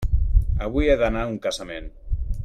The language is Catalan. Avui he d'anar a un casament.